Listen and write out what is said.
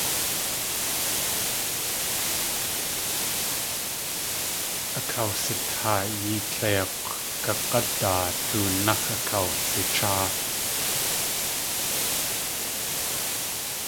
Akawsitaayi tléik̲w kag̲ádaa tóonáx̲ akawlicháa.